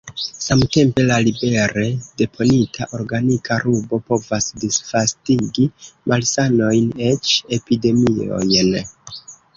Samtempe la libere deponita organika rubo povas disvastigi malsanojn, eĉ epidemiojn.